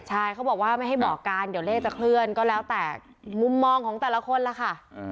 ใช่เขาบอกว่าไม่ให้บอกกันเดี๋ยวเลขจะเคลื่อนก็แล้วแต่มุมมองของแต่ละคนล่ะค่ะ